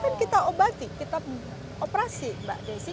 kan kita obati kita operasi mbak desi